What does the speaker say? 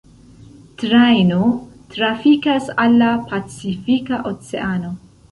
Trajno trafikas al la Pacifika oceano.